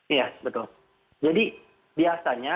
iya betul jadi biasanya